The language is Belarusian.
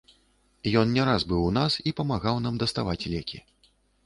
Ён не раз быў у нас і памагаў нам даставаць лекі.